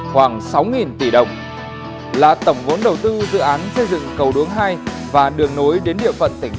khoảng sáu tỷ đồng là tổng vốn đầu tư dự án xây dựng cầu đuống hai và đường nối đến địa phận tỉnh